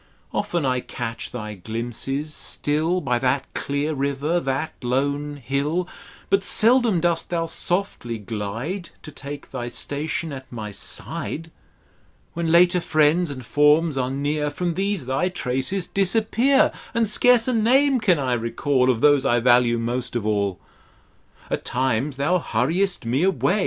Often I catch thy glimpses stil By that clear river, that lone hill, 406 THE LAST FRUIT OFF AN OLD TEEE. Bat seldom dost thou softly glide To take thy station at my side. When later friends and forms are near ; From these thy traces disappear^, And scarce a name can I recall Of those I value most of all. At times thou hurriest me away.